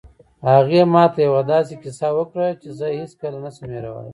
هغې ما ته یوه داسې کیسه وکړه چې زه یې هېڅکله نه شم هیرولی